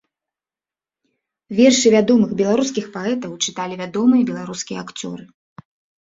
Вершы вядомых беларускіх паэтаў чыталі вядомыя беларускія акцёры.